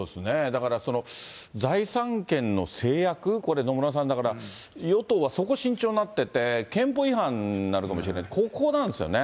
だから財産権の制約、これ、野村さん、だから、与党はそこ、慎重になってて、憲法違反になるかもしれない、ここなんですよね。